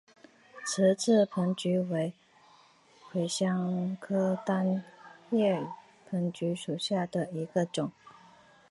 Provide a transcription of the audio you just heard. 直刺藤橘为芸香科单叶藤橘属下的一个种。